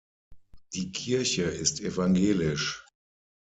Die Kirche ist evangelisch.